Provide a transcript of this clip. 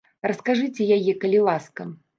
Раскажыце яе, калі ласка.